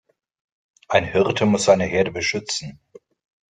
Ein Hirte muss seine Herde beschützen.